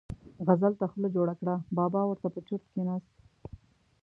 غزل ته خوله جوړه کړه، بابا ور ته په چرت کېناست.